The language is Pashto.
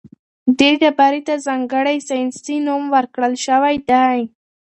دې ډبرې ته ځانګړی ساینسي نوم ورکړل شوی دی.